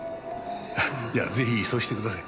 いやぜひそうしてください。